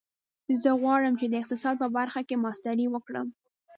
زه غواړم چې د اقتصاد په برخه کې ماسټري وکړم